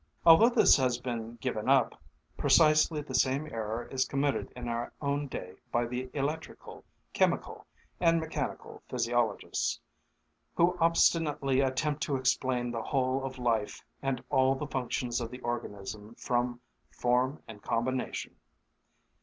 Although this has been given up, precisely the same error is committed in our own day by the electrical, chemical, and mechanical physiologists, who obstinately attempt to explain the whole of life and all the functions of the organism from "form and combination."